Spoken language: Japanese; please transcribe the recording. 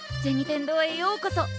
天堂へようこそ。